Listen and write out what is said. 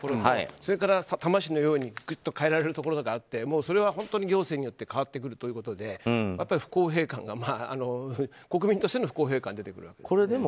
それから、多摩市のようにぐっと変えられるところがあってそれは本当に行政によって変わってくるということで国民としての不公平感が出てくるわけです。